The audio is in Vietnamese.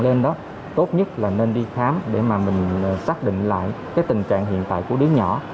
lên đó tốt nhất là nên đi khám để mà mình xác định lại cái tình trạng hiện tại của đứa nhỏ